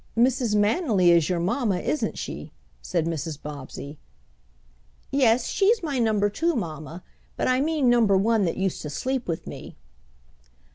"Mrs. Manily is your mamma, isn't she?" said Mrs. Bobbsey. "Yes, she's my number two mamma, but I mean number one that used to sleep with me."